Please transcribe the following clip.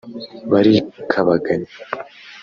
Barikabaganya